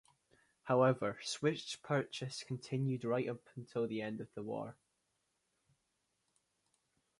However, Swiss purchase continued right up until the end of the war.